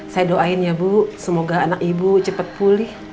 saya doain ya bu semoga anak ibu cepat pulih